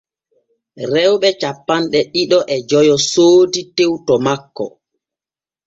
Rewɓe cappanɗe ɗiɗi e joy soodi tew to makko.